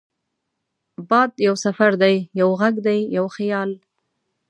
باد یو سفر دی، یو غږ دی، یو خیال